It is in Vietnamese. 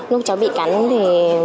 lúc cháu bị cắn thì